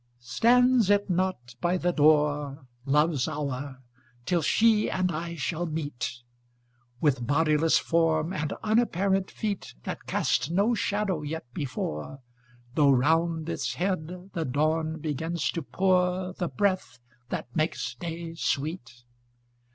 Stands it not by the door Love's Hour till she and I shall meet; With bodiless form and unapparent feet That cast no shadow yet before, Though round its head the dawn begins to pour The breath that makes day sweet?